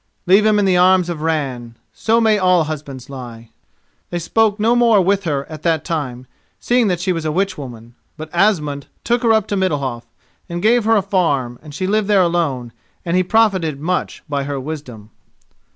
"Leave him in the arms of Ran. So may all husbands lie." They spoke no more with her at that time, seeing that she was a witchwoman. But Asmund took her up to Middalhof, and gave her a farm, and she lived there alone, and he profited much by her wisdom.